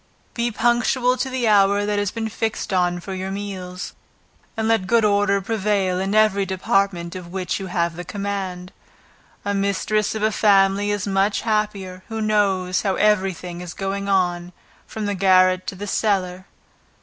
Be punctual to the hour that has been fixed on for your meals, and let good order prevail in every department of which you have the command. A mistress of a family is much happier, who knows how every thing is going on from the garret to the cellar.